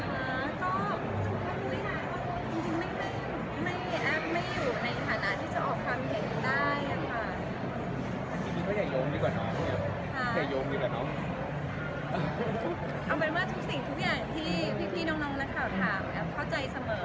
เอาเป็นว่าทุกสิ่งทุกอย่างที่พี่น้องนักข่าวถามแอฟเข้าใจเสมอ